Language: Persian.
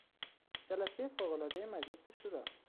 جلسهی فوق العادهی مجلس شورا